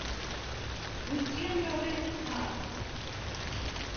Wyt ti am dorri'r ardd?